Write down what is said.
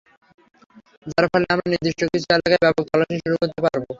যার ফলে আমরা নির্দিষ্ট কিছু এলাকায় ব্যাপক তল্লাশি শুরু করতে পারব।